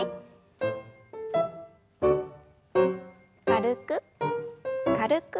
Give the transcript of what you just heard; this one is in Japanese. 軽く軽く。